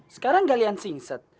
sekarang galian sing set